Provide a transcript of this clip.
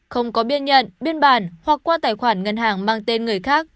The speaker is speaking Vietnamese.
không có biên nhận biên bản hoặc qua tài khoản ngân hàng mang tên người khác